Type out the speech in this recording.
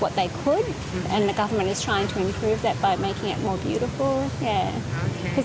dan pemerintah sedang mencoba untuk memperbaikinya dengan membuatnya lebih indah